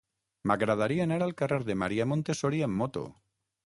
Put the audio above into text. M'agradaria anar al carrer de Maria Montessori amb moto.